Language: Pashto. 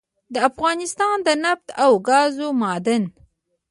دافغانستان دنفت او ګازو معادن